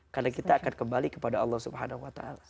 karena kita akan kembali kepada allah swt